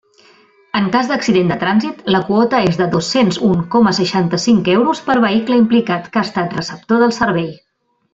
En cas d'accident de trànsit, la quota és de dos-cents un coma seixanta-cinc euros per vehicle implicat que ha estat receptor del servei.